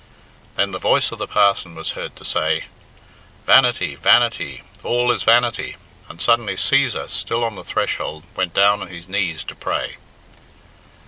Then the voice of the parson was heard to say, "Vanity, vanity, all is vanity!" and suddenly Cæsar, still on the threshold, went down on his knees to pray.